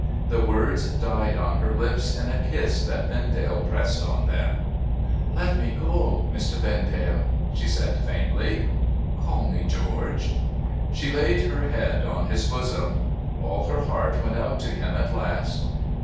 The words died on her lips in the kiss that Vendale pressed on them. ' Let me go, Mr. Vendale !' she said faintly. ' Call me George.' She laid her head on his bosom. All her heart went out to him at last.